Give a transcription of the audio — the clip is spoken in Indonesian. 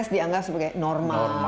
dianggap sebagai normal